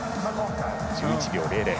１１秒００。